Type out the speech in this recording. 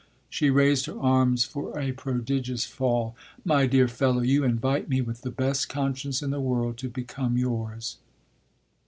She raised her arms for a prodigious fall. "My dear fellow, you invite me with the best conscience in the world to become yours."